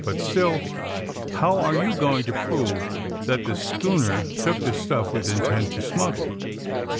But still, how are you going to prove that the schooner took the stuff with intent to smuggle!"